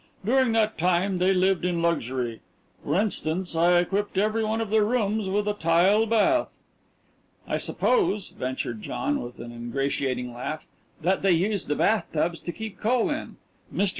During that time they lived in luxury. For instance, I equipped every one of their rooms with a tile bath." "I suppose," ventured John, with an ingratiating laugh, "that they used the bathtubs to keep coal in. Mr.